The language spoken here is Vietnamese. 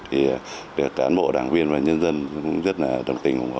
thì được cán bộ đảng viên và nhân dân cũng rất là đồng tình ủng hộ